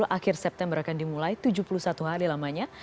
akhir september akan dimulai tujuh puluh satu hari lamanya